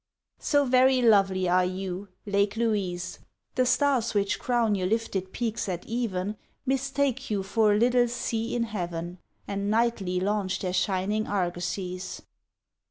So very lovely are you, Lake Louise, The stars which crown your lifted peaks at even Mistake you for a little sea in heaven And nightly launch their shining argosies.